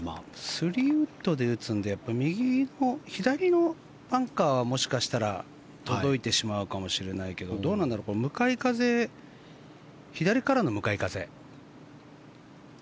３ウッドで打つので左のバンカーはもしかしたら届いてしまうかもしれないけどどうなんだろう、向かい風左からの向かい風？